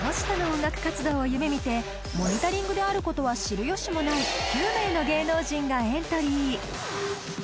Ｔｏｓｈｌとの音楽活動を夢見て「モニタリング」であることは知るよしもない９名の芸能人がエントリー